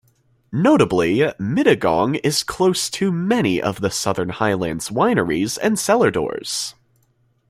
Notably, Mittagong is close to many of the Southern Highland's wineries and cellar doors.